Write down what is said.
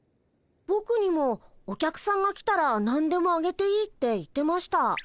ぼくにもお客さんが来たらなんでもあげていいって言ってました。